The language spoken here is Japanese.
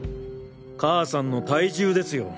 母さんの体重ですよ。